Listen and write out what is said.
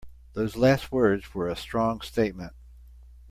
Those last words were a strong statement.